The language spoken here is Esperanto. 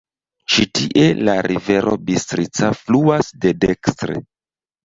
Ĉi tie la rivero Bistrica fluas de dekstre.